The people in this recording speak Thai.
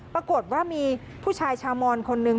ปรากฏว่ามีผู้ชายชาวมอนคนนึง